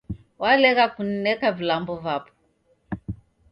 Walegha kunineka vilambo vapo